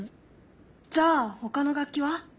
じゃあほかの楽器は？